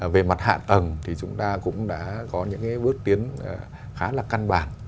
về mặt hạ tầng thì chúng ta cũng đã có những bước tiến khá là căn bản